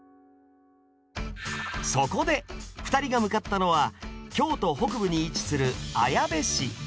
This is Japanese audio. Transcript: そこで２人が向かったのは京都北部に位置する綾部市。